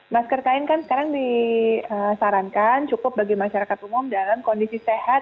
masker kain kan sekarang disarankan cukup bagi masyarakat umum dalam kondisi sehat